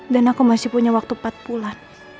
dan aku masih punya waktu empat puluh an